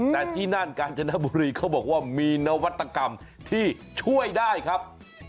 แต่ที่นั่นกาญจนบุรีเขาบอกว่ามีนวัตกรรมที่ช่วยได้ครับ